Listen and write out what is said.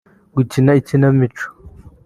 gukina ikinamico